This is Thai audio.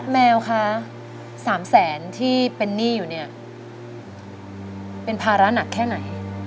แมวคะ๓แสนที่เป็นหนี้อยู่เนี่ยเป็นภาระหนักแค่ไหน